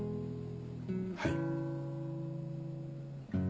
はい。